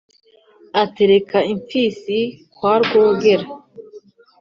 atereka imfizi kwa rwogera